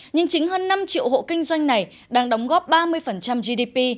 nhưng chính hơn năm triệu hộ kinh doanh này đang đóng góp ba mươi của doanh nghiệp